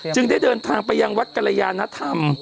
ได้เดินทางไปยังวัดกรยานธรรม